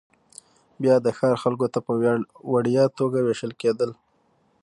بیا د ښار خلکو ته په وړیا توګه وېشل کېدل